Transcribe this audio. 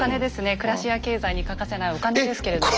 暮らしや経済に欠かせないお金ですけれども。